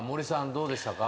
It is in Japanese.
どうでしたか？